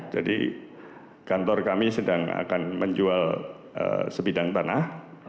jadi kantor kami sedang akan menjual sebidang tanah